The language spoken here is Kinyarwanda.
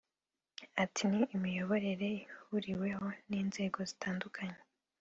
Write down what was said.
Ati “Ni imiyoborere ihuriweho n’inzego zitandukanye